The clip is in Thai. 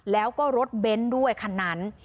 แล้วก็รถเบนท์ด้วยคันนั้น